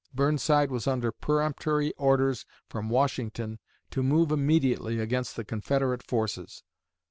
Burnside was under peremptory orders from Washington to move immediately against the Confederate forces.